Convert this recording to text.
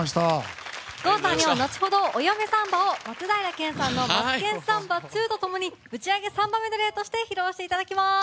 郷さんには後ほど「お嫁サンバ」を松平健さんの「マツケンサンバ２」と共にぶちアゲサンバメドレーとして披露していただきます。